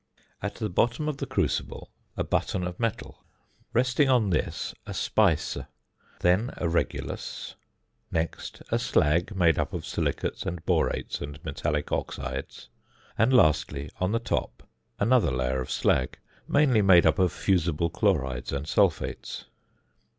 At the bottom of the crucible (fig. 4) a button of metal, resting on this a speise; then a regulus, next a slag made up of silicates and borates and metallic oxides, and lastly, on the top another layer of slag, mainly made up of fusible chlorides and sulphates.